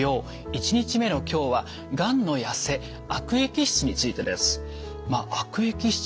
１日目の今日は「がんのやせ悪液質」についてです。「悪液質」